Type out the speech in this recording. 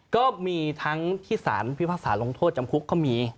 ก็มีทั้งที่สารพิพากษาลงโทษจำคุกก็มี